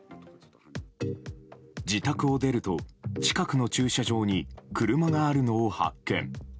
自宅を出ると、近くの駐車場に車があるのを発見。